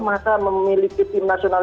masa memiliki tim nasional